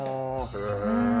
へえ